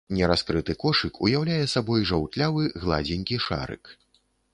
Нераскрыты кошык уяўляе сабой жаўтлявы, гладзенькі шарык.